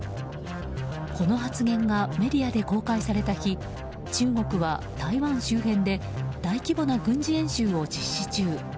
この発言がメディアで公開された日中国は台湾周辺で大規模な軍事演習を実施中。